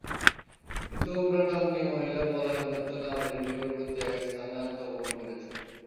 কিন্তু উমরা নাম্নী মহিলা পলায়ন করতে না পেরে নিকটবর্তী এক স্থানে আত্মগোপন করেছিল।